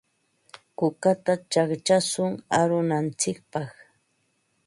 Kukata chaqchashun arunantsikpaq.